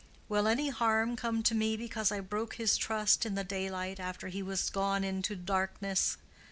Will any harm come to me because I broke his trust in the daylight after he was gone into darkness?